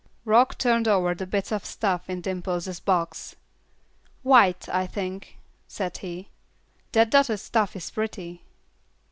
Rock turned over the bits of stuff in Dimple's box. "White, I think," said he; "that dotted stuff is pretty."